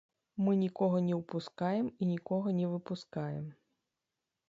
Мы нікога не ўпускаем і нікога не выпускаем.